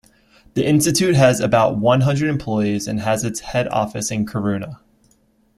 The institute has about one hundred employees and has its head office in Kiruna.